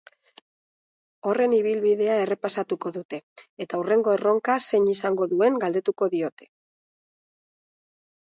Horren ibilbidea errepasatuko dute, eta hurrengo erronka zein izango duen galdetuko diote.